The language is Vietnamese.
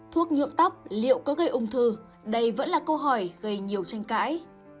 thuốc nhuộm tóc liệu có gây ung thư đây vẫn là câu hỏi gây nhiều tranh cãi